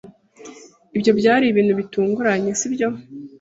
Ibyo byari ibintu bitunguranye, sibyo?